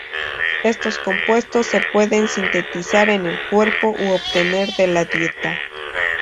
Estos compuestos se pueden sintetizar en el cuerpo u obtener de la dieta.